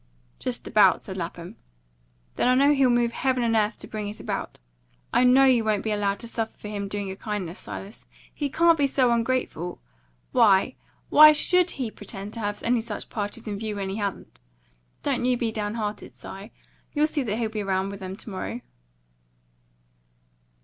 "Just about," said Lapham. "Then I know he'll move heaven and earth to bring it about. I KNOW you won't be allowed to suffer for doing him a kindness, Silas. He CAN'T be so ungrateful! Why, why SHOULD he pretend to have any such parties in view when he hasn't? Don't you be down hearted, Si. You'll see that he'll be round with them to morrow."